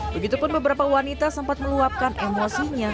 begitupun beberapa wanita sempat meluapkan emosinya